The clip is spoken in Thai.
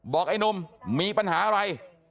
ไอ้หนุ่มมีปัญหาอะไร